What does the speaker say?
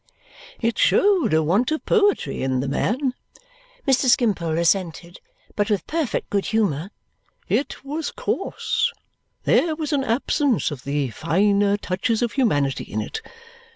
"It showed a want of poetry in the man," Mr. Skimpole assented, but with perfect good humour. "It was coarse. There was an absence of the finer touches of humanity in it!